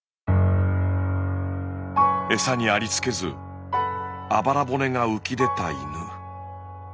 餌にありつけずあばら骨が浮き出た犬。